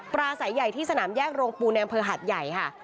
ปลาสายใหญ่ที่สนามแยกโรงปูในอำเภอหัดใหญ่ค่ะ